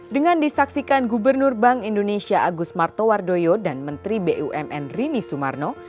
dengan disaksikan gubernur bank indonesia agus martowardoyo dan menteri bumn rini sumarno